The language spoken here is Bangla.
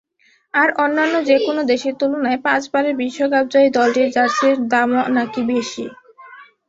আর অন্যান্য যেকোনো দেশের তুলনায় পাঁচবারের বিশ্বকাপজয়ী দলটির জার্সির দামও নাকি বেশি।